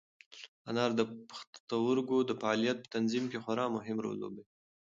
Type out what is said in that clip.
انار د پښتورګو د فعالیت په تنظیم کې خورا مهم رول لوبوي.